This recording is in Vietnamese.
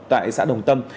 tại xã đồng tâm